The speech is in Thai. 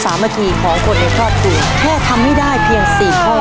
สามัคคีของคนในครอบครัวแค่ทำให้ได้เพียง๔ข้อ